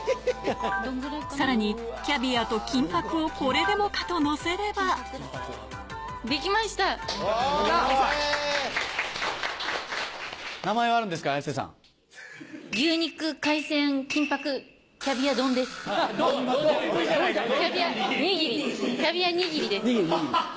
さらにキャビアと金箔をこれでもかとのせればキャビア握りです。